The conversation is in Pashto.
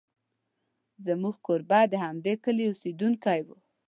زموږ کوربه د همدې کلي اوسېدونکی و.